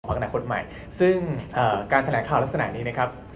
อนาคตใหม่ซึ่งการแถลงข่าวลักษณะนี้นะครับ